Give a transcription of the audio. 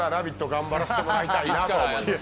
頑張らせていただきたいなと思います。